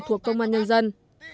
thuộc công an nhân dân